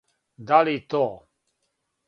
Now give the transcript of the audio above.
Да ли то?